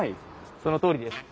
そのとおりです。